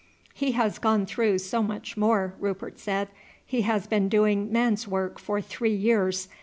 "He has gone through so much more," Rupert said; "he has been doing man's work for three years.